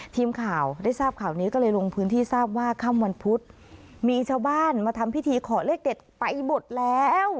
ทีมข่าวได้ทราบข่าวนี้ก็เลยลงพื้นที่ทราบว่าค่ำวันพุธมีชาวบ้านมาทำพิธีขอเลขเด็ดไปหมดแล้ว